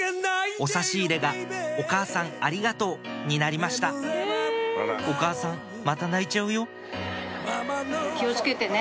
「お差し入れ」が「おかあさんありがとう」になりましたお母さんまた泣いちゃうよ気を付けてね。